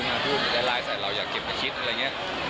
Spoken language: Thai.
มาพูดอะไรใส่เราอย่าเก็บมาคิดอะไรอย่างนี้